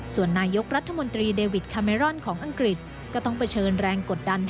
ส่วนนายกรัฐมนตรีเดวิดคาเมรอนของอังกฤษก็ต้องเผชิญแรงกดดัน